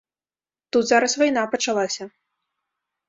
Тут зараз вайна пачалася.